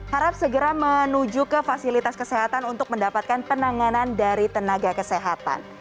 harap segera menuju ke fasilitas kesehatan untuk mendapatkan penanganan dari tenaga kesehatan